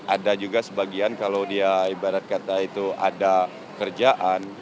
ada juga sebagian kalau dia ibarat kata itu ada kerjaan